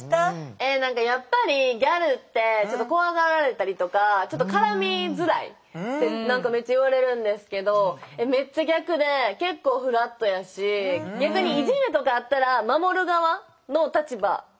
えなんかやっぱりギャルってちょっと怖がられたりとか絡みづらいってなんかめっちゃ言われるんですけどめっちゃ逆で結構フラットやし逆にいじめとかあったら守る側の立場っていうのが分かりやすいのかな。